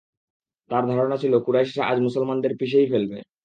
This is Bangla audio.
তার ধারণা ছিল, কুরাইশরা আজ মুসলমানদের পিষেই ফেলবে।